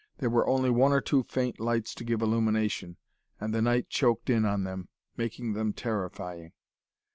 There were only one or two faint lights to give illumination, and the night choked in on them, making them terrifying.